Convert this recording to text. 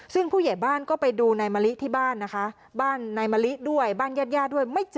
ซึ่งผู้ใหญ่บ้านก็ไปดูนายมะลิที่บ้านนะคะบ้านนายมะลิด้วยบ้านญาติญาติด้วยไม่เจอ